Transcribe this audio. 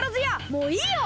もういいよ！